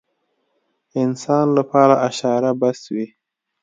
انسان لپاره اشاره بس وي.